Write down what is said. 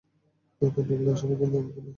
নতুন লোক না আসা পর্যন্ত সে এখানেই থাকবে।